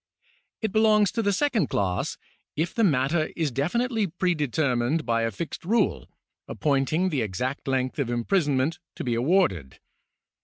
It belongs to the second class, if the matter is definitely predetermined by a fixed rule, appointing the exact length of imprisonment to be awarded.